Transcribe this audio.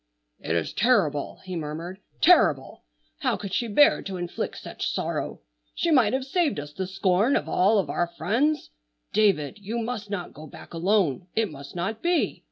"It is terrible!" he murmured, "terrible! How could she bear to inflict such sorrow! She might have saved us the scorn of all of our friends. David, you must not go back alone. It must not be.